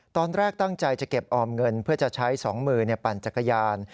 ตอนแรกตั้งใจจะเก็บออมเงินเพื่อจะใช้๒มือปั่นจักรยาน